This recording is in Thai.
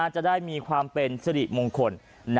จะได้มีความเป็นสริมงคล